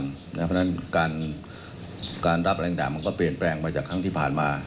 การรับอะไรอย่างแบบมันก็เปลี่ยนแปลงมาจากครั้งที่ผ่านมา